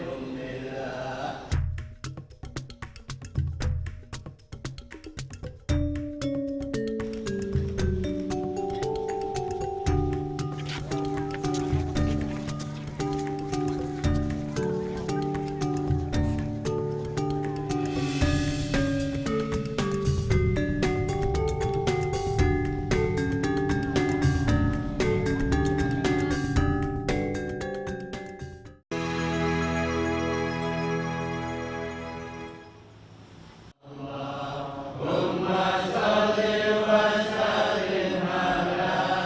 ummah syari' wa syari' mala